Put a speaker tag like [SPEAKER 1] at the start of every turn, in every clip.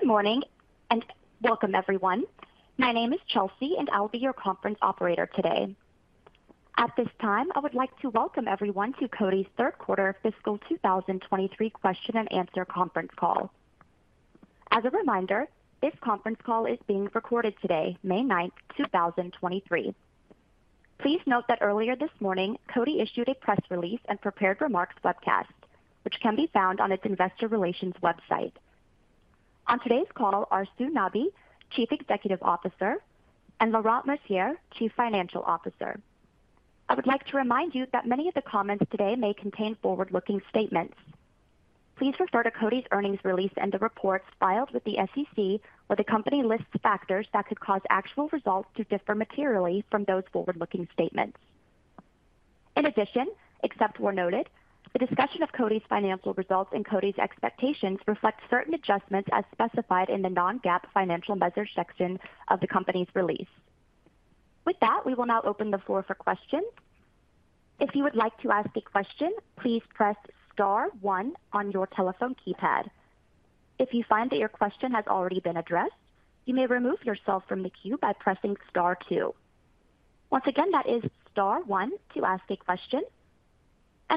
[SPEAKER 1] Good morning, welcome everyone. My name is Chelsea. I'll be your conference operator today. At this time, I would like to welcome everyone to Coty's third quarter fiscal 2023 question and answer conference call. As a reminder, this conference call is being recorded today, May 9, 2023. Please note that earlier this morning, Coty issued a press release and prepared remarks webcast, which can be found on its investor relations website. On today's call are Sue Nabi, Chief Executive Officer, and Laurent Mercier, Chief Financial Officer. I would like to remind you that many of the comments today may contain forward-looking statements. Please refer to Coty's earnings release and the reports filed with the SEC, where the company lists factors that could cause actual results to differ materially from those forward-looking statements. In addition, except where noted, the discussion of Coty's financial results and Coty's expectations reflect certain adjustments as specified in the non-GAAP financial measures section of the company's release. With that, we will now open the floor for questions. If you would like to ask a question, please press star one on your telephone keypad. If you find that your question has already been addressed, you may remove yourself from the queue by pressing star two. Once again, that is star one to ask a question.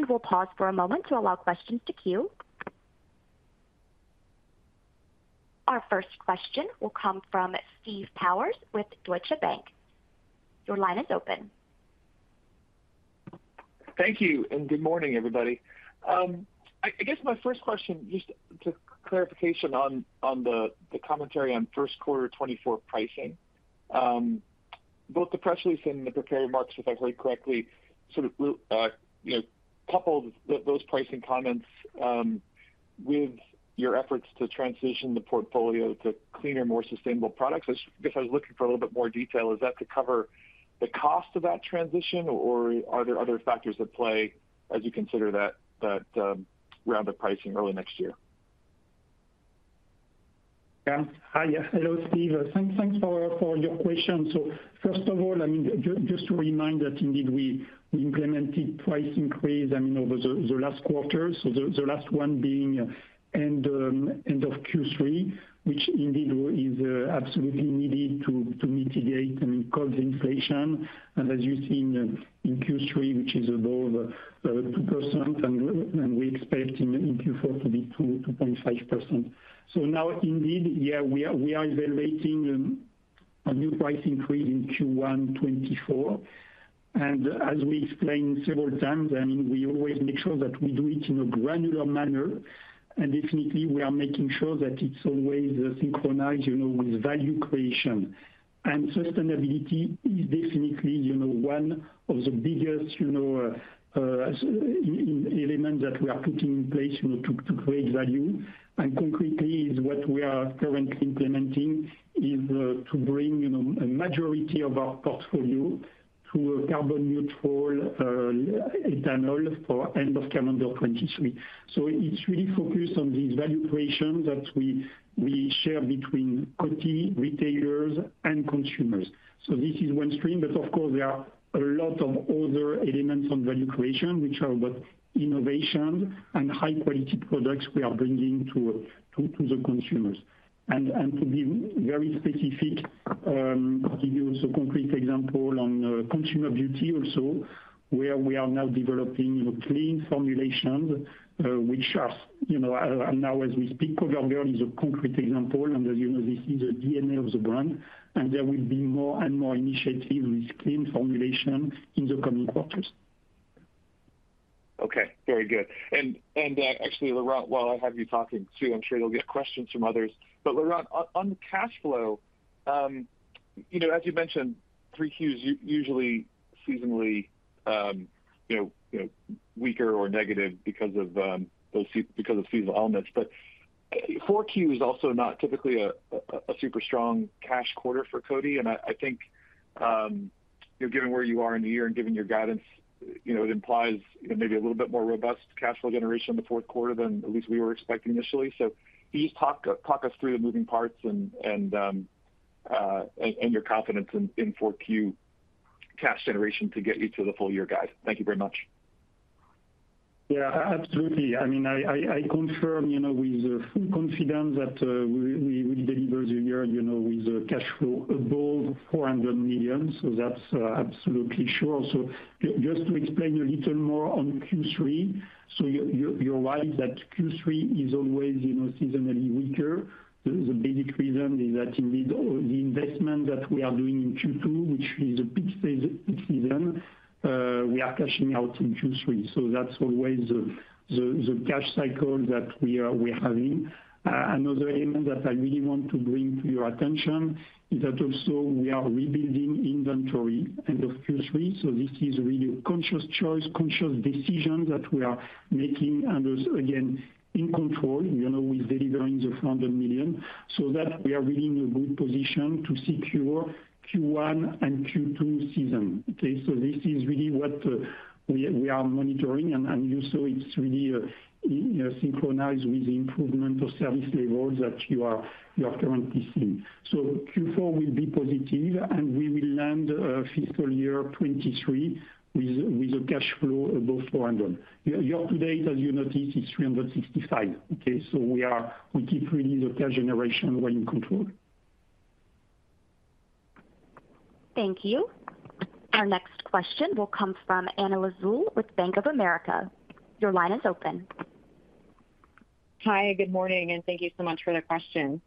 [SPEAKER 1] We'll pause for a moment to allow questions to queue. Our first question will come from Steve Powers with Deutsche Bank. Your line is open.
[SPEAKER 2] Thank you. Good morning, everybody. I guess my first question, just to clarification on the commentary on first quarter 2024 pricing. Both the press release and the prepared remarks, if I heard correctly, sort of, you know, coupled those pricing comments with your efforts to transition the portfolio to cleaner, more sustainable products. I guess I was looking for a little bit more detail. Is that to cover the cost of that transition or are there other factors at play as you consider that round of pricing early next year?
[SPEAKER 3] Yeah. Hi. Hello, Steve. Thanks for your question. First of all, I mean, just to remind that indeed we implemented price increase, I mean, over the last quarter. The last one being end of Q3, which indeed is absolutely needed to mitigate, I mean, cost inflation. As you've seen in Q3, which is above 2% and we expect in Q4 to be 2% to 2.5%. Now indeed, yeah, we are evaluating a new price increase in Q1 2024. As we explained several times, I mean, we always make sure that we do it in a granular manner. Definitely we are making sure that it's always synchronized, you know, with value creation. Sustainability is definitely, you know, one of the biggest, you know, element that we are putting in place, you know, to create value. Concretely is what we are currently implementing is to bring, you know, a majority of our portfolio to a carbon neutral ethanol for end of calendar 2023. It's really focused on this value creation that we share between Coty, retailers, and consumers. This is one stream, of course there are a lot of other elements on value creation, which are about innovation and high quality products we are bringing to the consumers. To be very specific, give you also concrete example on consumer beauty also, where we are now developing, you know, clean formulations, which are, you know, now as we speak, COVERGIRL is a concrete example. As you know, this is the DNA of the brand, and there will be more and more initiatives with clean formulation in the coming quarters.
[SPEAKER 2] Okay. Very good. Actually, Laurent, while I have you talking too, I'm sure you'll get questions from others. Laurent, on cash flow, you know, as you mentioned, Q3 usually seasonally, you know, weaker or negative because of seasonal elements. Q4 is also not typically a super strong cash quarter for Coty. I think, you know, given where you are in the year and given your guidance, you know, it implies, you know, maybe a little bit more robust cash flow generation in the fourth quarter than at least we were expecting initially. Can you talk us through the moving parts and and your confidence in Q4 cash generation to get you to the full year guide. Thank you very much.
[SPEAKER 3] Absolutely. I mean, I confirm, you know, with full confidence that we deliver the year, you know, with cash flow above $400 million. That's absolutely sure. Just to explain a little more on Q3. You're right that Q3 is always, you know, seasonally weaker. The basic reason is that indeed the investment that we are doing in Q2, which is a big season, we are cashing out in Q3. That's always the cash cycle that we're having. Another element that I really want to bring to your attention is that also we are rebuilding inventory end of Q3. This is really a conscious choice, conscious decision that we are making and is again in control, you know, with delivering the $400 million, so that we are really in a good position to secure Q1 and Q2 season. Okay? This is really what we are monitoring and you saw it's really, you know, synchronized with the improvement of service levels that you are currently seeing. Q4 will be positive, and we will end fiscal year 2023 with a cash flow above $400 million. Year to date, as you noticed, is $365 million. Okay? We keep really the cash generation well in control.
[SPEAKER 1] Thank you. Our next question will come from Anna Lizzul with Bank of America. Your line is open.
[SPEAKER 4] Hi, good morning, and thank you so much for the question.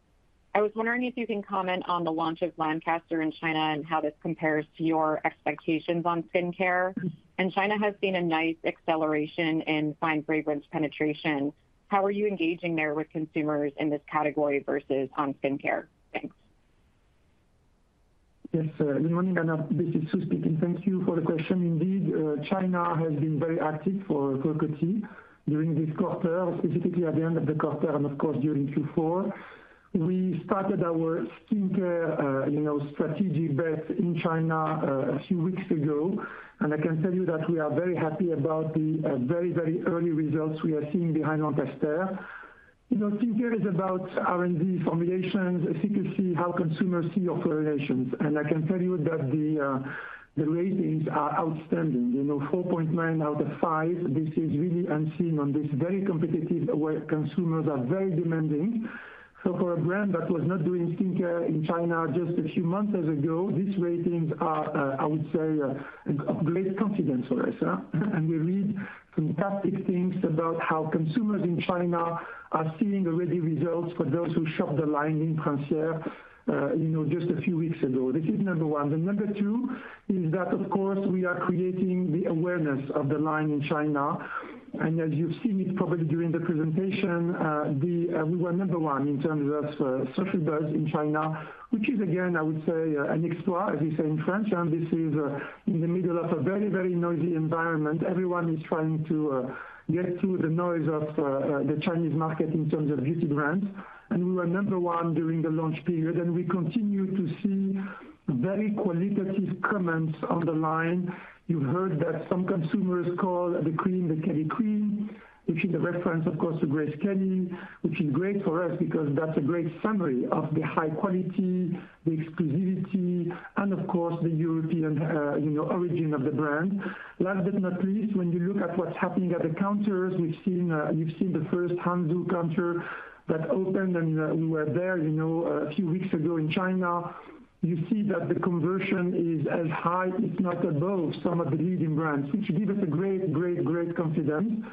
[SPEAKER 4] I was wondering if you can comment on the launch of Lancaster in China and how this compares to your expectations on skincare. China has seen a nice acceleration in fine fragrance penetration. How are you engaging there with consumers in this category versus on skincare? Thanks.
[SPEAKER 5] Yes, good morning, Anna. This is Sue speaking. Thank you for the question. Indeed, China has been very active for Coty during this quarter, specifically at the end of the quarter and of course, during Q4. We started our skincare, you know, strategic bet in China a few weeks ago, and I can tell you that we are very happy about the very early results we are seeing behind Lancaster. You know, skincare is about R&D formulations, efficacy, how consumers see your formulations. I can tell you that the ratings are outstanding, you know, 4.9 out of 5. This is really unseen on this very competitive, where consumers are very demanding. For a brand that was not doing skincare in China just a few months ago, these ratings are, I would say, of great confidence for us. We read fantastic things about how consumers in China are seeing already results for those who shop the line in France there, you know, just a few weeks ago. This is number one. The number two is that of course, we are creating the awareness of the line in China. As you've seen it probably during the presentation, we were number one in terms of social buzz in China, which is again, I would say an exploit, as you say in French, and this is in the middle of a very, very noisy environment. Everyone is trying to get through the noise of the Chinese market in terms of beauty brands. We were number one during the launch period, and we continue to see very qualitative comments on the line. You've heard that some consumers call the cream the Kelly cream, which is a reference, of course, to Grace Kelly, which is great for us because that's a great summary of the high quality, the exclusivity, and of course, the European, you know, origin of the brand. Last but not least, when you look at what's happening at the counters, we've seen, you've seen the first Hangzhou counter that opened, and we were there, you know, a few weeks ago in China. You see that the conversion is as high, if not above, some of the leading brands, which gives us a great, great confidence.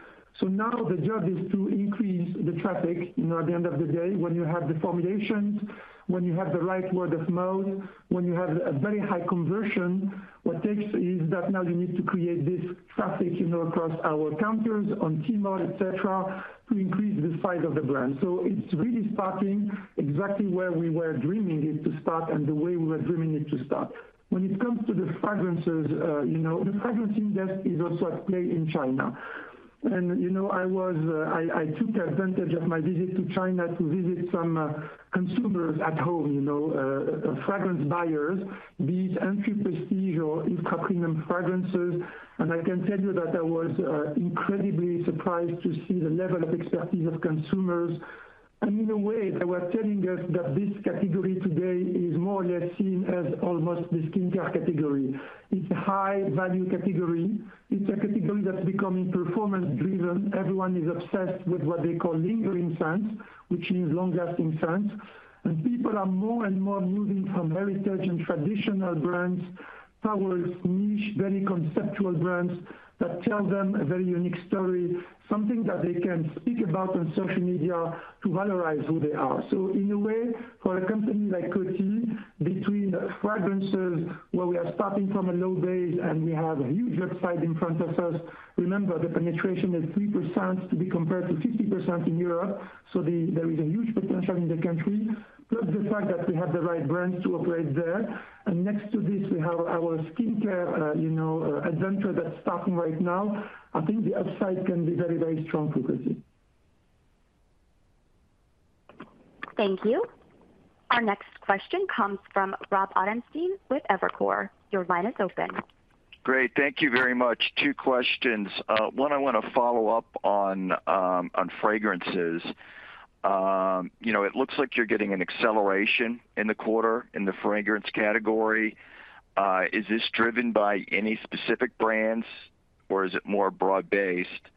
[SPEAKER 5] Now the job is to increase the traffic. You know, at the end of the day, when you have the formulations, when you have the right word of mouth, when you have a very high conversion, what takes is that now you need to create this traffic, you know, across our counters on Tmall, et cetera, to increase the size of the brand. It's really starting exactly where we were dreaming it to start and the way we were dreaming it to start. When it comes to the fragrances, you know, the fragrance index is also at play in China. You know, I took advantage of my visit to China to visit some consumers at home, you know, fragrance buyers, be it entry prestige or entry premium fragrances. I can tell you that I was incredibly surprised to see the level of expertise of consumers. In a way, they were telling us that this category today is more or less seen as almost the skincare category. It's a high value category. It's a category that's becoming performance driven. Everyone is obsessed with what they call lingering scents, which means long-lasting scents. People are more and more moving from heritage and traditional brands towards niche, very conceptual brands that tell them a very unique story, something that they can speak about on social media to valorize who they are. In a way, for a company like Coty, between fragrances, where we are starting from a low base and we have a huge upside in front of us, remember, the penetration is 3% to be compared to 50% in Europe. There is a huge potential in the country. Plus the fact that we have the right brands to operate there. Next to this, we have our skincare, you know, adventure that's starting right now. I think the upside can be very, very strong for Coty.
[SPEAKER 1] Thank you. Our next question comes from Robert Ottenstein with Evercore. Your line is open.
[SPEAKER 6] Great. Thank you very much. 2 questions. One, I wanna follow up on fragrances. You know, it looks like you're getting an acceleration in the quarter in the fragrance category. Is this driven by any specific brands or is it more broad-based?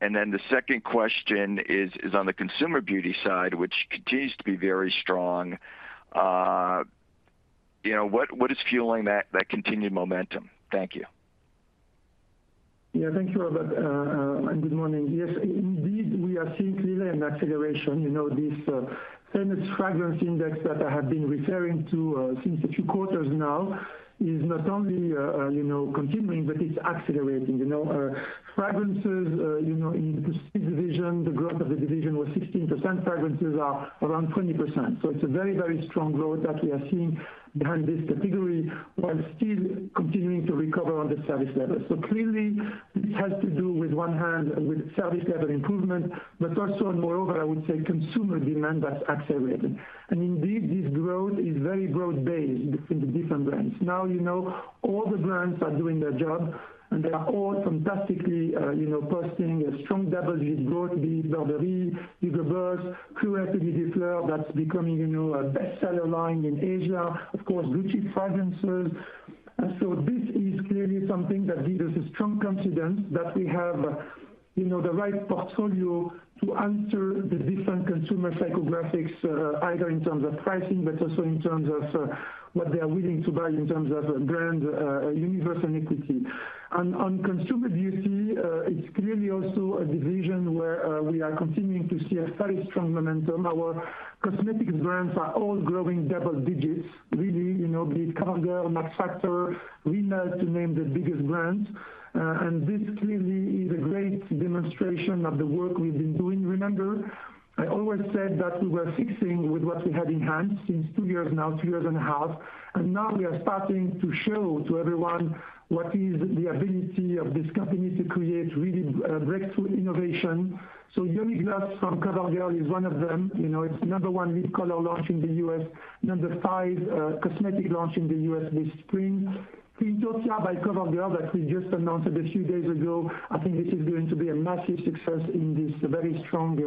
[SPEAKER 6] The second question is on the consumer beauty side, which continues to be very strong. You know, what is fueling that continued momentum? Thank you.
[SPEAKER 5] Thank you, Rob, and good morning. Yes, indeed, we are seeing clearly an acceleration. You know, this famous fragrance index that I have been referring to since a few quarters now is not only, you know, continuing, but it's accelerating. You know, fragrances, you know, in the speed division, the growth of the division was 16%. Fragrances are around 20%. It's a very, very strong growth that we are seeing behind this category while still continuing to recover on the service level. Clearly it has to do with one hand with service level improvement, but also and moreover, I would say consumer demand has accelerated. Indeed, this growth is very broad-based between the different brands. You know, all the brands are doing their job, and they are all fantastically, you know, posting a strong double-digit growth, be it Burberry, Hugo Boss, Chloé Atelier des Fleurs, that's becoming, you know, a bestseller line in Asia, of course, Gucci fragrances. This is clearly something that gives us a strong confidence that we have, you know, the right portfolio to answer the different consumer psychographics, either in terms of pricing, but also in terms of what they are willing to buy in terms of brand universe and equity. On consumer beauty, it's clearly also a division where we are continuing to see a very strong momentum. Our cosmetic brands are all growing double digits, really, you know, be it COVERGIRL, Max Factor, Rimmel, to name the biggest brands. This clearly is a great demonstration of the work we've been doing. Remember, I always said that we were fixing with what we had in hand since two years now, two years and a half, and now we are starting to show to everyone what is the ability of this company to create really breakthrough innovation. Yummy Gloss from COVERGIRL is one of them. You know, it's number 1 lip color launch in the U.S., number 5 cosmetic launch in the U.S. this spring. Clean Tosya by COVERGIRL that we just announced a few days ago, I think this is going to be a massive success in this very strong,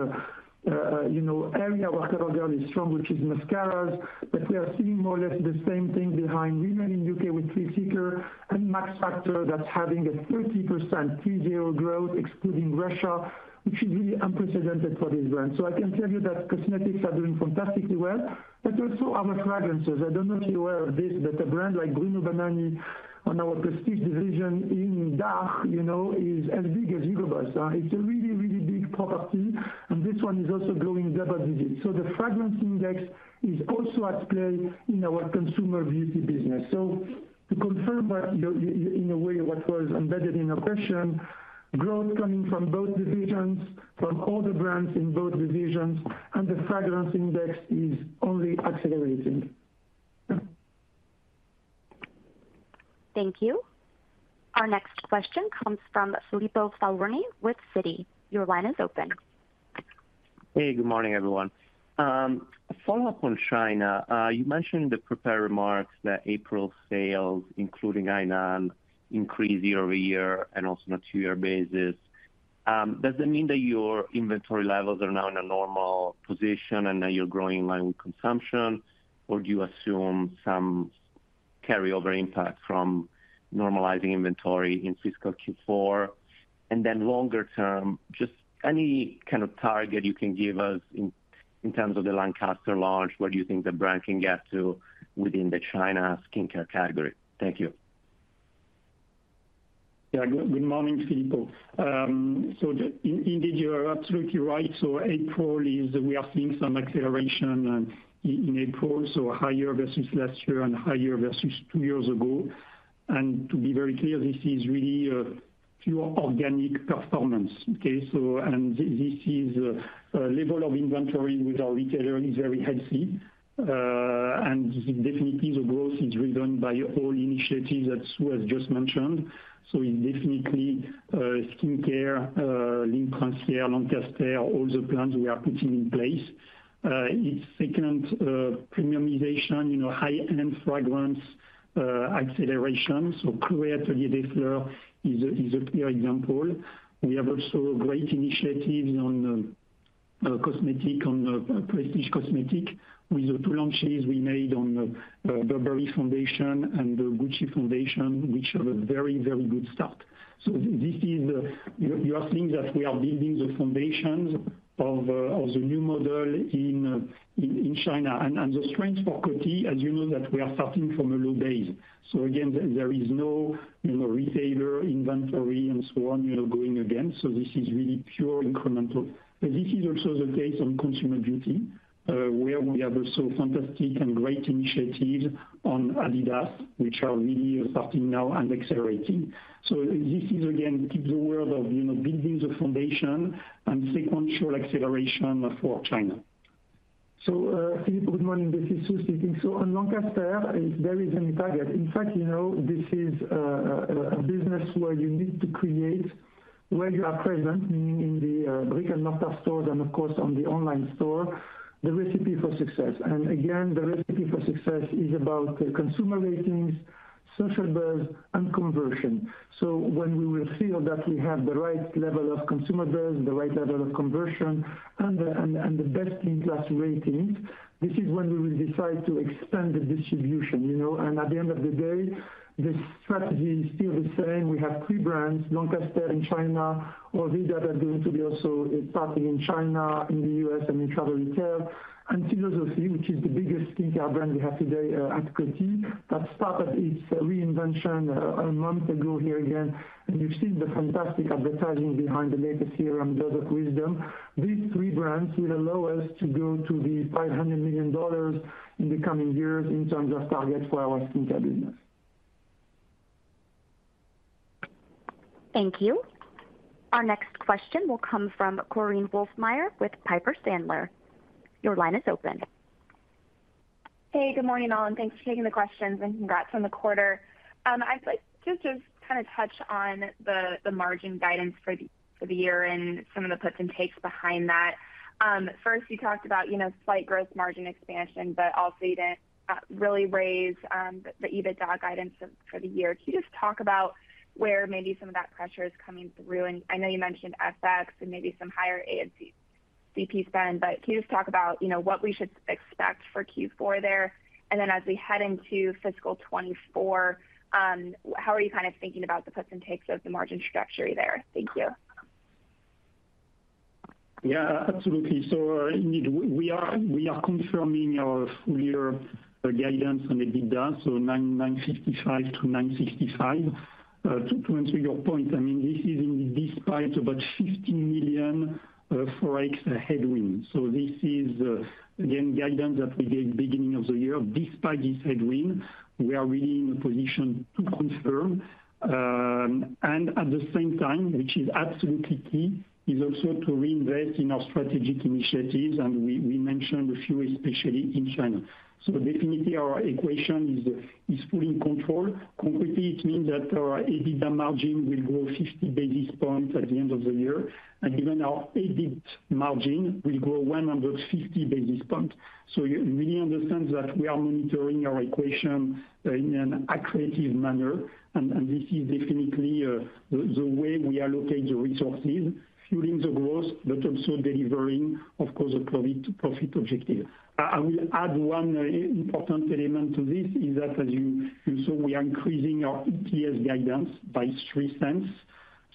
[SPEAKER 5] you know, area where COVERGIRL is strong, which is mascaras. We are seeing more or less the same thing behind Rimmel in U.K. with Thrill Seeker and Max Factor that's having a 30% Q3 growth excluding Russia, which is really unprecedented for this brand. I can tell you that cosmetics are doing fantastically well, but also our fragrances. I don't know if you're aware of this, but a brand like bruno banani on our prestige division in DACH, you know, is as big as Hugo Boss. It's a really, really big property, and this one is also growing double digits. The fragrance index is also at play in our consumer beauty business. To confirm what you, in a way, what was embedded in our question, growth coming from both divisions, from all the brands in both divisions, and the fragrance index is only accelerating.
[SPEAKER 1] Thank you. Our next question comes from Filippo Falorni with Citi. Your line is open.
[SPEAKER 7] Hey, good morning, everyone. A follow-up on China. You mentioned in the prepared remarks that April sales, including Hainan, increased year-over-year and also on a two-year basis. Does that mean that your inventory levels are now in a normal position and that you're growing in line with consumption? Do you assume some carryover impact from normalizing inventory in fiscal Q4? Longer term, just any kind of target you can give us in terms of the Lancaster launch, where do you think the brand can get to within the China skincare category? Thank you.
[SPEAKER 3] Yeah. Good morning, Filippo. Indeed, you are absolutely right. April is we are seeing some acceleration in April, so higher versus last year and higher versus 2 years ago. To be very clear, this is really a pure organic performance, okay? This is a level of inventory with our retailer is very healthy. Definitely the growth is driven by all initiatives that Sue has just mentioned. Definitely, skincare, Ligne Princière, Lancaster, all the plans we are putting in place. It's second, premiumization, you know, high-end fragrance, acceleration. Chloé Atelier des Fleurs is a clear example. We have also great initiatives on cosmetic, on prestige cosmetic with the two launches we made on Burberry Foundation and the Gucci Foundation, which are a very, very good start. This is, you are seeing that we are building the foundations of the new model in China. The strength for Coty, as you know, that we are starting from a low base. Again, there is no, you know, retailer inventory and so on, you know, going against. This is really pure incremental. This is also the case on consumer beauty, where we have also fantastic and great initiatives on adidas, which are really starting now and accelerating. This is again, keep the word of, you know, building the foundation and sequential acceleration for China.
[SPEAKER 5] Filippo, good morning. This is Sue speaking. On Lancaster, it's very clearly targeted. In fact, you know, this is a business where you need to create where you are present, meaning in the brick-and-mortar stores and of course, on the online store, the recipe for success. Again, the recipe for success is about consumer ratings, social buzz, and conversion. When we will feel that we have the right level of consumer base, the right level of conversion and the best in class ratings, this is when we will decide to expand the distribution, you know? At the end of the day, the strategy is still the same. We have three brands, Lancaster in China, or these that are going to be also starting in China, in the U.S., and in travel retail. Philosophy, which is the biggest skincare brand we have today at Coty, that started its reinvention a month ago here again. You've seen the fantastic advertising behind the latest serum, Bird of Wisdom. These three brands will allow us to go to the $500 million in the coming years in terms of target for our skincare business.
[SPEAKER 1] Thank you. Our next question will come from Korinne Wolfmeyer with Piper Sandler. Your line is open.
[SPEAKER 8] Hey, good morning, all. Thanks for taking the questions and congrats on the quarter. I'd like just to kind of touch on the margin guidance for the year and some of the puts and takes behind that. First you talked about, you know, slight growth margin expansion, but also you didn't really raise the EBITDA guidance for the year. Can you just talk about where maybe some of that pressure is coming through? I know you mentioned FX and maybe some higher A&CP. CP spend, can you just talk about, you know, what we should expect for Q4 there? Then as we head into fiscal 2024, how are you kind of thinking about the puts and takes of the margin structure there? Thank you.
[SPEAKER 3] Yeah, absolutely. Indeed, we are confirming our full year guidance on the EBITDA, so $955-$965. To answer your point, I mean, this is despite about $50 million FX headwind. This is, again, guidance that we gave beginning of the year. Despite this headwind, we are really in a position to confirm. At the same time, which is absolutely key, is also to reinvest in our strategic initiatives, and we mentioned a few, especially in China. Definitely our equation is fully in control. Concretely, it means that our EBITDA margin will grow 50 basis points at the end of the year, and even our EBIT margin will grow 150 basis points. You really understand that we are monitoring our equation in an accretive manner. This is definitely the way we allocate the resources, fueling the growth but also delivering, of course, a profit objective. I will add one important element to this, is that as you saw we are increasing our EPS guidance by $0.03.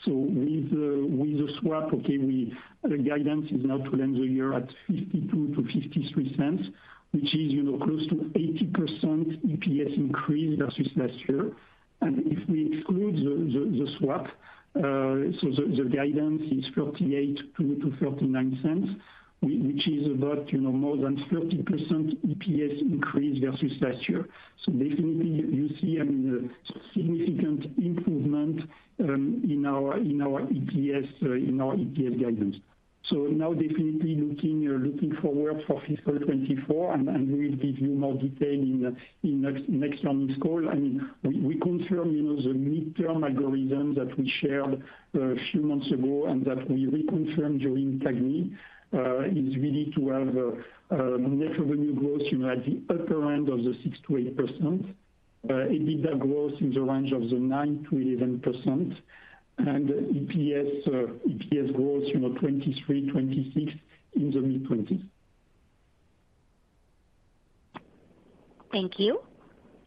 [SPEAKER 3] With the swap, the guidance is now to end the year at $0.52-$0.53, which is, you know, close to 80% EPS increase versus last year. If we exclude the swap, the guidance is $0.48-$0.39, which is about, you know, more than 30% EPS increase versus last year. Definitely you see, I mean, a significant improvement in our EPS guidance. Now definitely looking forward for fiscal 2024 and we will give you more detail in next earnings call. I mean, we confirm, you know, the midterm algorithm that we shared a few months ago and that we reconfirm during CAGNY, is really to have net revenue growth, you know, at the upper end of the 6%-8%. EBITDA growth in the range of the 9%-11%. EPS growth, you know, 23%-26% in the mid-20s.
[SPEAKER 1] Thank you.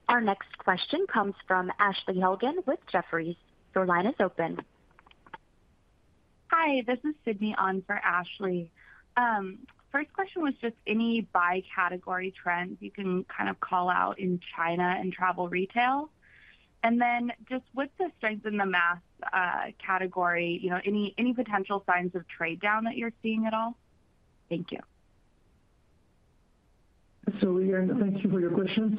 [SPEAKER 1] Our next question comes from Ashley Helgans with Jefferies. Your line is open.
[SPEAKER 9] Hi, this is Sydney on for Ashley. First question was just any by category trends you can kind of call out in China and travel retail. Just with the strength in the mass category, you know, any potential signs of trade down that you're seeing at all? Thank you.
[SPEAKER 3] Again, thank you for your question.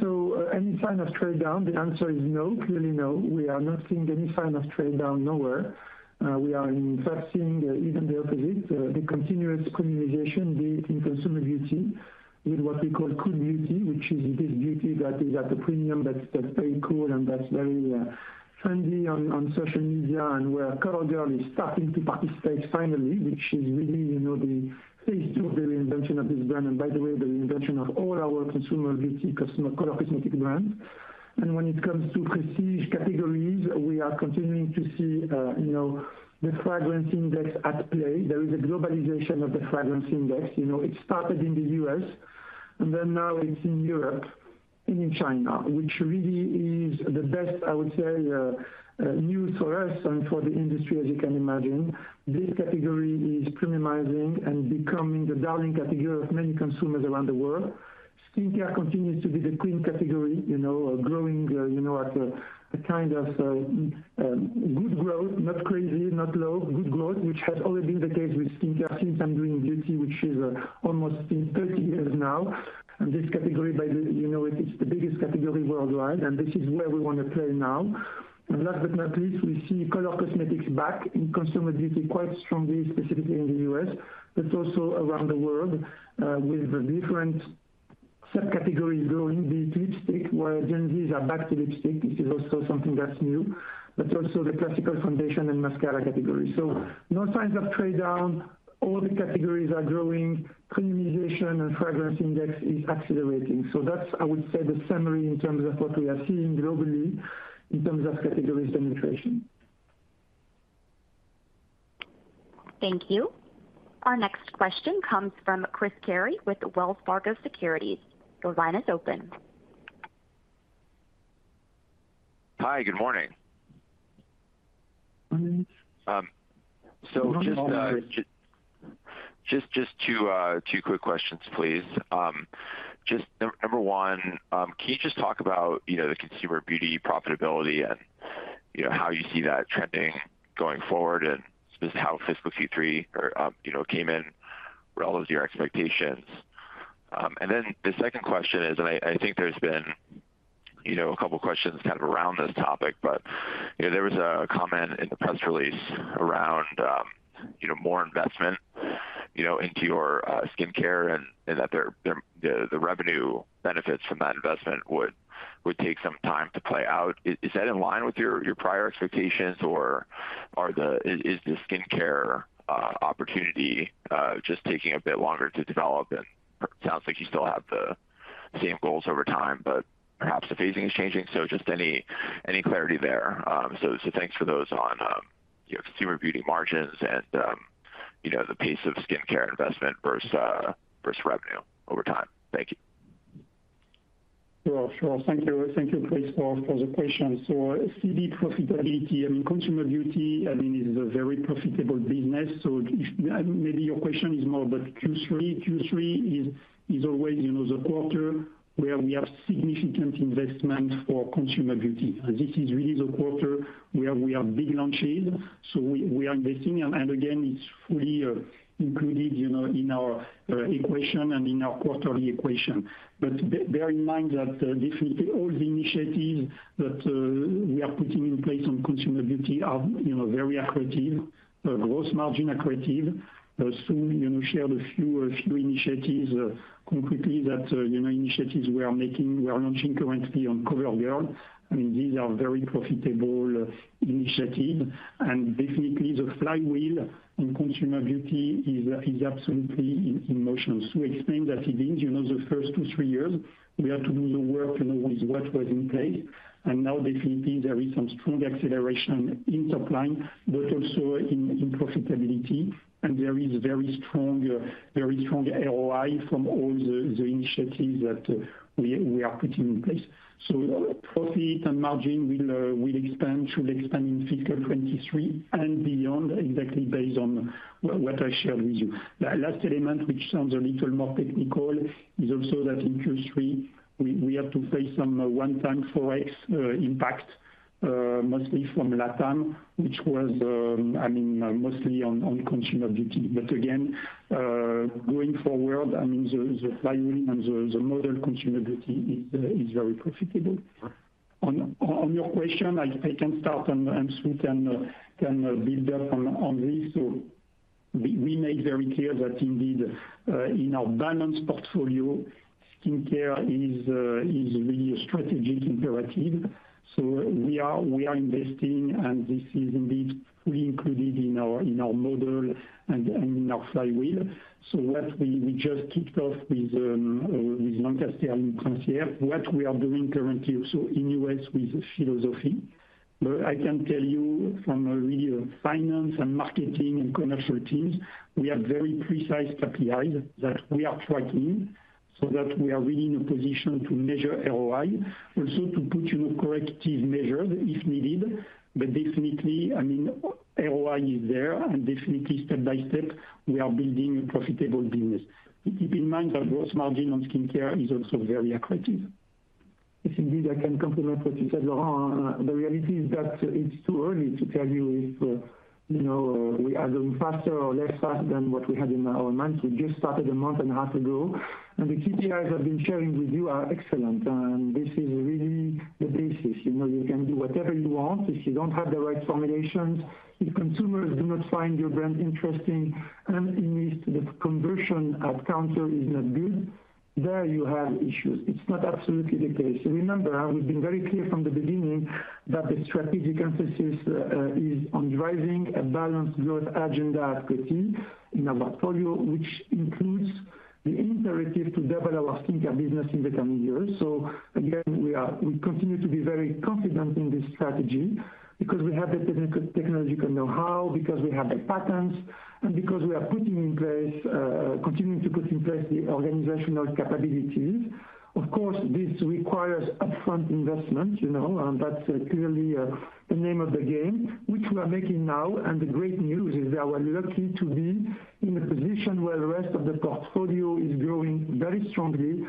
[SPEAKER 3] Any sign of trade down, the answer is no, clearly no. We are not seeing any sign of trade down nowhere. We are in fact seeing even the opposite, the continuous premiumization be it in consumer beauty with what we call cool beauty, which is this beauty that is at a premium that's very cool and that's very trendy on social media and where COVERGIRL is starting to participate finally, which is really, you know, the phase two of the reinvention of this brand. By the way, the reinvention of all our consumer beauty color cosmetic brands. When it comes to prestige categories, we are continuing to see, you know, the fragrance index at play. There is a globalization of the fragrance index. You know, it started in the US, and then now it's in Europe and in China, which really is the best, I would say, news for us and for the industry, as you can imagine. This category is premiumizing and becoming the darling category of many consumers around the world. Skincare continues to be the queen category, you know, growing, you know, at a kind of good growth, not crazy, not low, good growth, which has always been the case with skincare since I'm doing beauty, which is almost 30 years now. This category you know it's the biggest category worldwide, and this is where we want to play now. Last but not least, we see color cosmetics back in consumer beauty quite strongly, specifically in the U.S., but also around the world, with different subcategories growing, be it lipstick, where Gen Zs are back to lipstick. This is also something that's new, but also the classical foundation and mascara category. No signs of trade down. All the categories are growing. Premiumization and fragrance index is accelerating. That's, I would say, the summary in terms of what we are seeing globally in terms of categories penetration.
[SPEAKER 1] Thank you. Our next question comes from Chris Carey with Wells Fargo Securities. Your line is open.
[SPEAKER 10] Hi. Good morning. Just two quick questions, please. Just number one, can you just talk about, you know, the consumer beauty profitability and, you know, how you see that trending going forward and just how fiscal Q3 or, came in relative to your expectations? The second question is, I think there's been, you know, a couple questions kind of around this topic, you know, there was a comment in the press release around, you know, more investment, you know, into your skincare and that the revenue benefits from that investment would take some time to play out. Is that in line with your prior expectations or is the skincare opportunity just taking a bit longer to develop? Sounds like you still have the same goals over time, but perhaps the phasing is changing. Just any clarity there. Thanks for those on, you know, consumer beauty margins and, you know, the pace of skincare investment versus revenue over time. Thank you.
[SPEAKER 3] Sure. Thank you. Thank you, Chris, for the question. Coty profitability, I mean, consumer beauty, I mean, is a very profitable business, maybe your question is more about Q3. Q3 is always, you know, the quarter where we have significant investment for consumer beauty. This is really the quarter where we have big launches, so we are investing. And, again, it's fully included, you know, in our equation and in our quarterly equation. Bear in mind that definitely all the initiatives that we are putting in place on consumer beauty are, you know, very accretive, gross margin accretive. Sue, you know, shared a few initiatives completely that, you know, initiatives we are making, we are launching currently on COVERGIRL. I mean, these are very profitable initiatives. Definitely the flywheel in consumer beauty is absolutely in motion. Sue explained that it means, you know, the first two, three years we had to do the work, you know, with what was in play. Now definitely there is some strong acceleration in top line, but also in profitability. There is very strong ROI from all the initiatives that we are putting in place. Profit and margin will expand, should expand in fiscal 23 and beyond exactly based on what I shared with you. Last element, which sounds a little more technical, is also that in Q3 we had to face some one time Forex impact mostly from LATAM, which was, I mean, mostly on consumer beauty. Again, going forward, I mean, the flywheel and the model consumer beauty is very profitable. On your question, I can start and Sue can build up on this. We made very clear that indeed, in our balanced portfolio, skincare is really a strategic imperative. We are investing, and this is indeed fully included in our model and in our flywheel. What we just kicked off with Lancaster and Clinique, what we are doing currently also in U.S. with Philosophy. I can tell you from a really finance and marketing and commercial teams, we have very precise KPIs that we are tracking so that we are really in a position to measure ROI, also to put corrective measures if needed. Definitely, I mean, ROI is there, and definitely step by step, we are building a profitable business. Keep in mind that gross margin on skincare is also very accretive. If indeed I can complement what you said, Laurent, the reality is that it's too early to tell you if, you know, we are doing faster or less fast than what we had in our minds. We just started a month and a half ago, and the KPIs I've been sharing with you are excellent. This is really the basis. You know, you can do whatever you want. If you don't have the right formulations, if consumers do not find your brand interesting, and if the conversion at counter is not good, there you have issues. It's not absolutely the case. Remember, we've been very clear from the beginning that the strategic emphasis is on driving a balanced growth agenda accretive in our portfolio, which includes the imperative to develop our skincare business in the coming years. Again, we continue to be very confident in this strategy because we have the technical, technological know-how, because we have the patents, and because we are putting in place, continuing to put in place the organizational capabilities. Of course, this requires upfront investment, you know, and that's clearly the name of the game which we are making now. The great news is that we're lucky to be in a position where the rest of the portfolio is growing very strongly,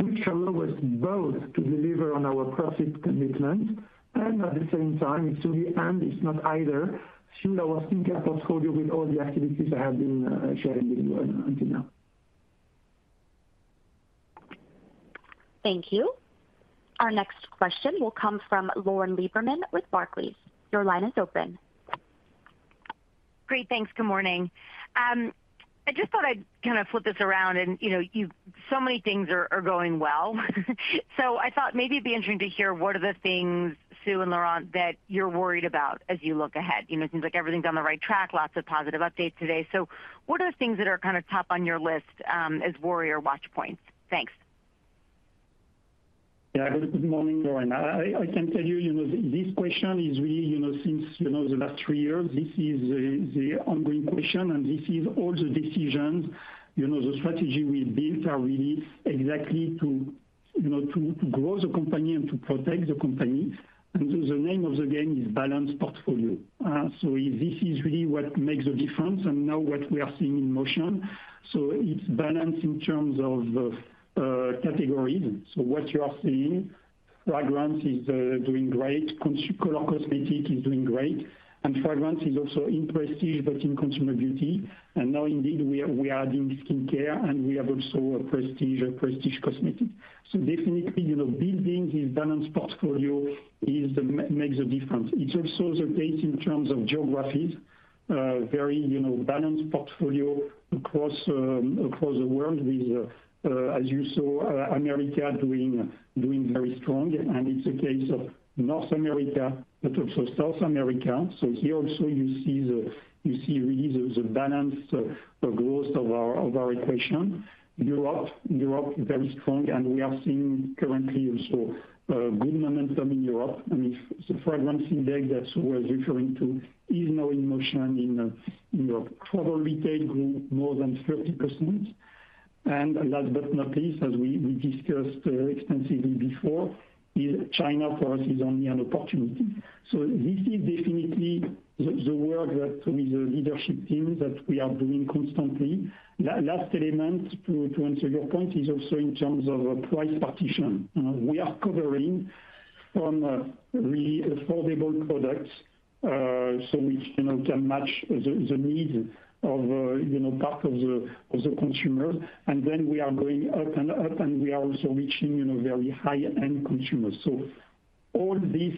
[SPEAKER 3] which allow us both to deliver on our profit commitment and at the same time, it's to the end, it's not either, build our skincare portfolio with all the activities I have been sharing with you until now.
[SPEAKER 1] Thank you. Our next question will come from Lauren Lieberman with Barclays. Your line is open.
[SPEAKER 11] Great. Thanks. Good morning. I just thought I'd kind of flip this around and, you know, you've so many things are going well. I thought maybe it'd be interesting to hear what are the things, Sue and Laurent, that you're worried about as you look ahead. You know, it seems like everything's on the right track. Lots of positive updates today. What are the things that are kind of top on your list as worry or watch points? Thanks. Yeah. Good morning, Lauren. I can tell you know, this question is really, you know, since, you know, the last three years, this is the ongoing question. This is all the decisions, you know, the strategy we built are really exactly to, you know, to grow the company and to protect the company.
[SPEAKER 3] The name of the game is balanced portfolio. This is really what makes the difference and now what we are seeing in motion. It's balanced in terms of categories. What you are seeing, fragrance is doing great. Color cosmetic is doing great. Fragrance is also in prestige but in consumer beauty. Now indeed we are doing skincare and we have also a prestige cosmetic. Definitely, you know, building this balanced portfolio makes a difference. It's also the case in terms of geographies, very, you know, balanced portfolio across across the world with as you saw, America doing very strong. It's a case of North America but also South America. Here also you see really the balance, the growth of our equation. Europe is very strong, we are seeing currently also good momentum in Europe. I mean, the fragrance index that Sue was referring to is now in motion in Europe. Travel retail grew more than 30%. Last but not least, as we discussed extensively before, is China for us is only an opportunity. This is definitely the work that with the leadership team that we are doing constantly. Last element to answer your point is also in terms of price partition. We are covering from really affordable products, so which, you know, can match the need of, you know, part of the consumer. Then we are going up and up, and we are also reaching, you know, very high-end consumers. All these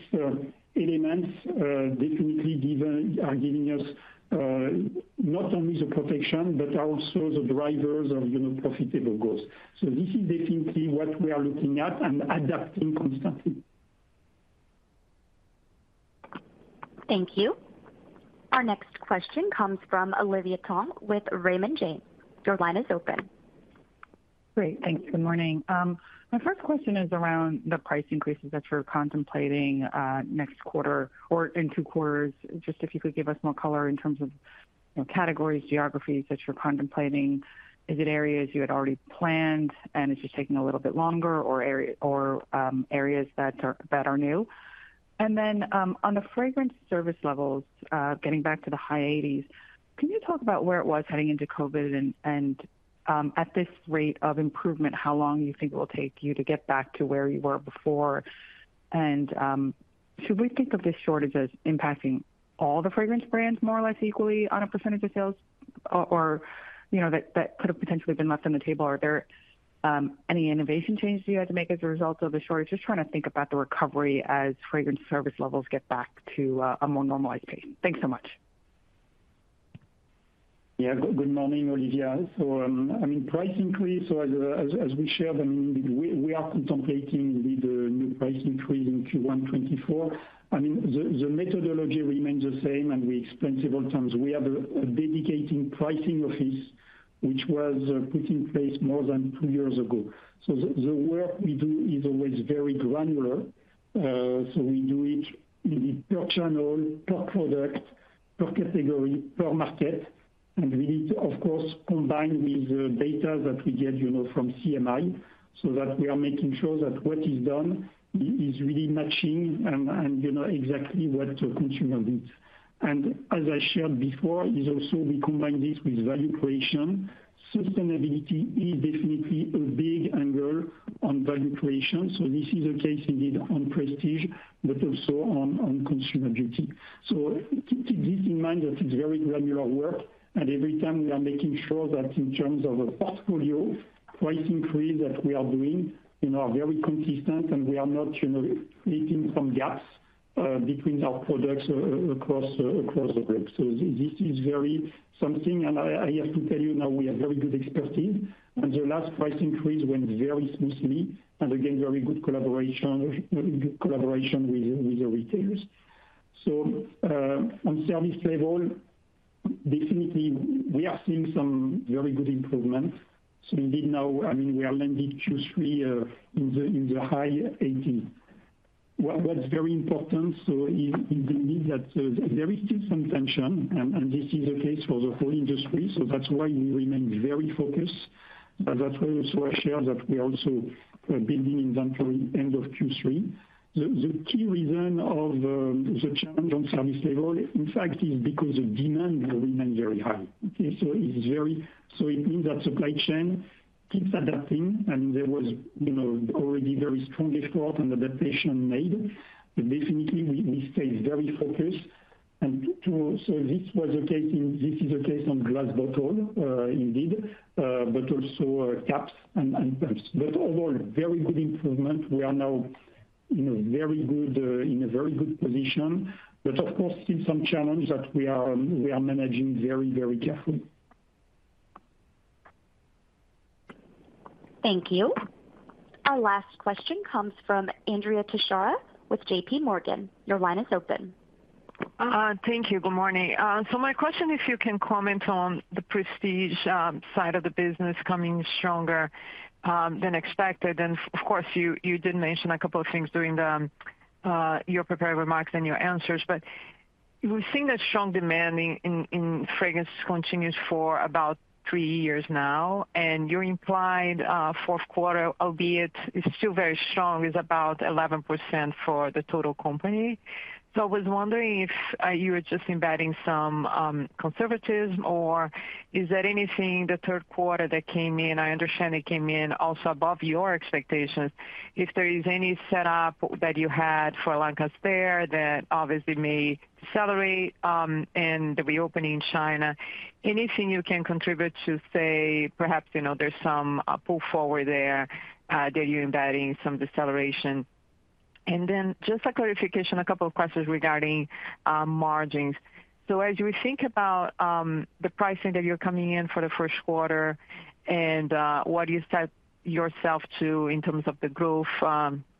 [SPEAKER 3] elements definitely giving... are giving us, not only the protection but also the drivers of profitable growth. This is definitely what we are looking at and adapting constantly.
[SPEAKER 1] Thank you. Our next question comes from Olivia Tong with Raymond James. Your line is open.
[SPEAKER 12] Great. Thanks. Good morning. My first question is around the price increases that you're contemplating, next quarter or in two quarters. Just if you could give us more color in terms of, you know, categories, geographies that you're contemplating. Is it areas you had already planned and it's just taking a little bit longer or areas that are new? Then, on the fragrance service levels, getting back to the high 80s, can you talk about where it was heading into COVID and, at this rate of improvement, how long you think it will take you to get back to where you were before? Should we think of this shortage as impacting all the fragrance brands more or less equally on a percentage of sales or, you know, that could have potentially been left on the table? Are there any innovation changes you had to make as a result of the shortage? Just trying to think about the recovery as fragrance service levels get back to a more normalized pace. Thanks so much.
[SPEAKER 3] Good morning, Olivia. I mean, price increase, as we shared, I mean, we are contemplating the new price increase in Q1 2024. I mean, the methodology remains the same, and we explained several times. We have a dedicating pricing office which was put in place more than two years ago. The work we do is always very granular. We do it indeed per channel, per product, per category, per market. We need to of course combine with the data that we get, you know, from CMI so that we are making sure that what is done is really matching and you know exactly what the consumer needs. As I shared before, is also we combine this with value creation. Sustainability is definitely a big angle on value creation. This is a case indeed on prestige, but also on consumer beauty. Keep this in mind that it's very granular work, and every time we are making sure that in terms of a portfolio price increase that we are doing, you know, are very consistent and we are not, you know, creating some gaps between our products across the group. This is very something... and I have to tell you now we have very good expertise, and the last price increase went very smoothly, and again, very good collaboration with the retailers. On service level, definitely we are seeing some very good improvement. Indeed now, I mean, we are landing Q3 in the high 80. What's very important, in, indeed that there is still some tension and this is the case for the whole industry. That's why we remain very focused. That's why also I share that we also are building inventory end of Q3. The key reason of the challenge on service level in fact is because the demand will remain very high. Okay. It means that supply chain keeps adapting, and there was, you know, already very strong effort on adaptation made, but definitely we stay very focused. This is a case on glass bottle, indeed, but also caps and pumps. Overall, very good improvement. We are now, you know, very good, in a very good position, but of course still some challenge that we are managing very, very carefully.
[SPEAKER 1] Thank you. Our last question comes from Andrea Teixeira with J.P. Morgan. Your line is open.
[SPEAKER 13] Thank you. Good morning. My question, if you can comment on the prestige side of the business coming stronger than expected. Of course you did mention a couple of things during your prepared remarks and your answers, but we've seen that strong demand in fragrance continues for about three years now, and your implied fourth quarter, albeit is still very strong, is about 11% for the total company. I was wondering if you were just embedding some conservatism or is there anything in the third quarter that came in, I understand it came in also above your expectations, if there is any setup that you had for Lancôme there that obviously may accelerate and the reopening in China? Anything you can contribute to say perhaps, you know, there's some pull forward there, that you're embedding some deceleration? Just a clarification, a couple of questions regarding margins. As you think about the pricing that you're coming in for the first quarter and what you set yourself to in terms of the growth,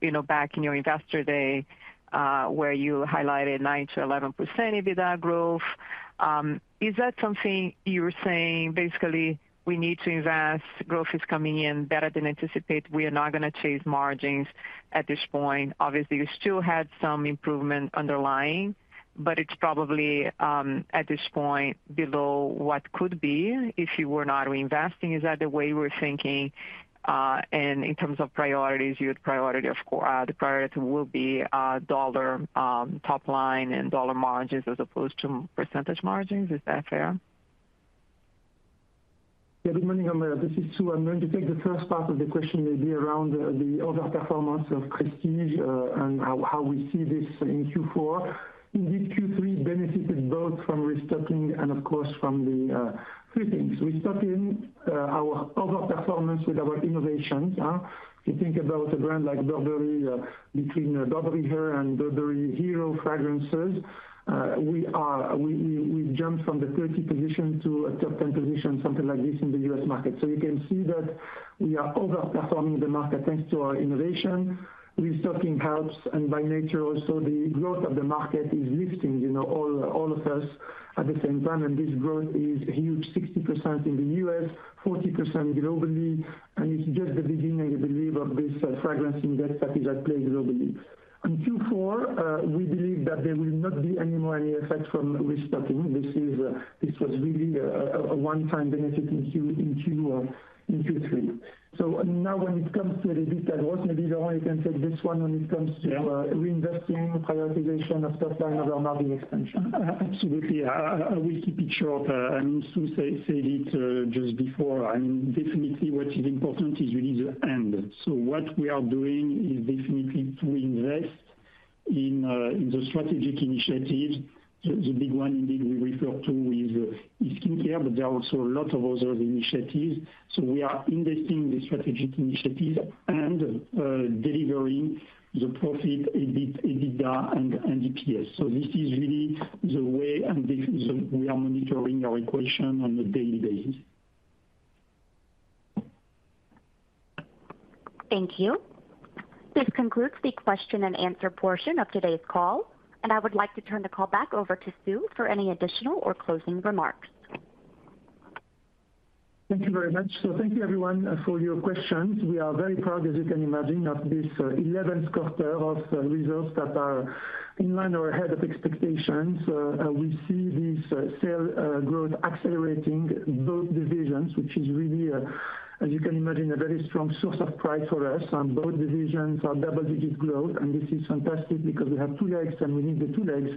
[SPEAKER 13] you know, back in your Investor Day, where you highlighted 9%-11% EBITDA growth. Is that something you're saying basically we need to invest, growth is coming in better than anticipated. We are not gonna chase margins at this point. Obviously, you still had some improvement underlying, but it's probably at this point below what could be if you were not reinvesting. Is that the way we're thinking? In terms of priorities, your priority, of course, the priority will be dollar top line and dollar margins as opposed to percentage margins. Is that fair?
[SPEAKER 5] Yeah. Good morning, Pamela, this is Sue. I'm going to take the first part of the question maybe around the other performance of prestige, and how we see this in Q4. Indeed, Q3 benefited both from restocking and of course from the three things. Restocking, our over performance with our innovations. You think about a brand like Burberry, between Burberry Her and Burberry Hero fragrances. We've jumped from the 30 position to a top 10 position, something like this in the US market. You can see that we are over-performing the market thanks to our innovation. Restocking helps and by nature also the growth of the market is lifting, you know, all of us at the same time. This growth is huge, 60% in the US, 40% globally. It's just the beginning, I believe, of this fragrancing that is at play globally. On Q4, we believe that there will not be any more effect from restocking. This was really a one-time benefit in Q3. Now when it comes to the EBITDA growth, maybe Laurent can take this one when it comes to.
[SPEAKER 3] Yeah.
[SPEAKER 5] reinvesting, prioritization of top line over margin expansion.
[SPEAKER 3] Absolutely. I will keep it short. I mean, Sue said it just before. I mean, definitely what is important is really the end. What we are doing is definitely to invest in the strategic initiatives. The big one indeed we refer to is skincare, but there are also a lot of other initiatives. We are investing in the strategic initiatives and delivering the profit, EBIT, EBITDA, and EPS. This is really the way and this is we are monitoring our equation on a day-to-day.
[SPEAKER 1] Thank you. This concludes the question and answer portion of today's call. I would like to turn the call back over to Sue for any additional or closing remarks.
[SPEAKER 5] Thank you very much. Thank you everyone for your questions. We are very proud, as you can imagine, of this 11th quarter of results that are in line or ahead of expectations. We see this sale growth accelerating both divisions, which is really, as you can imagine, a very strong source of pride for us. Both divisions are double-digit growth, and this is fantastic because we have two legs and we need the two legs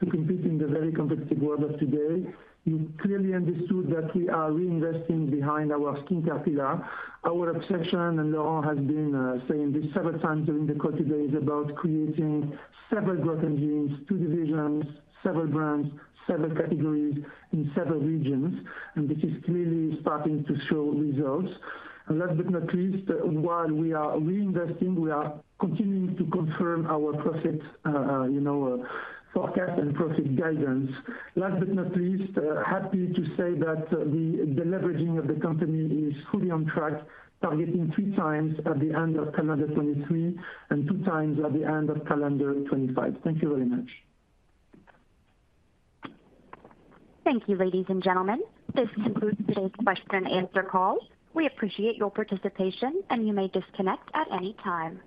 [SPEAKER 5] to compete in the very competitive world of today. You clearly understood that we are reinvesting behind our skincare pillar. Our obsession, Laurent has been saying this several times during the call today, is about creating several growth engines, two divisions, several brands, several categories in several regions. This is clearly starting to show results. Last but not least, while we are reinvesting, we are continuing to confirm our profit, you know, forecast and profit guidance. Last but not least, happy to say that the leveraging of the company is fully on track, targeting 3 times at the end of calendar 23 and 2 times at the end of calendar 25. Thank you very much.
[SPEAKER 1] Thank you, ladies and gentlemen. This concludes today's question and answer call. We appreciate your participation. You may disconnect at any time.